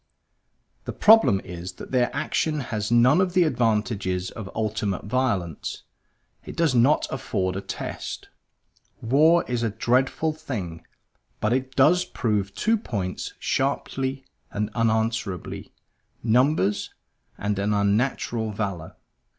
The problem is that their action has none of the advantages of ultimate violence; it does not afford a test. War is a dreadful thing; but it does prove two points sharply and unanswerably numbers, and an unnatural valor.